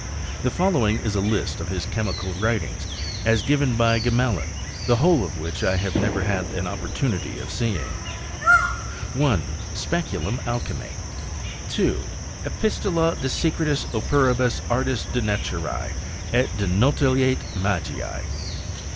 The following is a list )f his chemical writings, as given by Gmehn, thi^ irhole ef which I have never had an opportunity df leeilig: Ik Speculum Alchymise.* 2. Epistola de Secretis Operibus Artis et Natures ^t le NuUitate Magi^e.